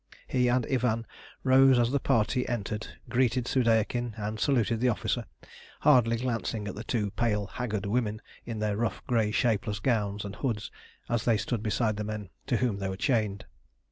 He and Ivan rose as the party entered, greeted Soudeikin and saluted the officer, hardly glancing at the two pale, haggard women in their rough grey shapeless gowns and hoods as they stood beside the men to whom they were chained.